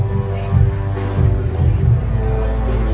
สโลแมคริปราบาล